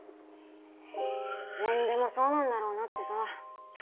何でもそうなんだろうなってさ。